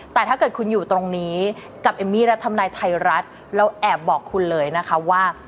แต่ถ้าเกิดคุณอยู่ตรงนี้กับเอมมี่และทำนายไทยรัฐเราแอบบอกคุณเลยนะคะว่า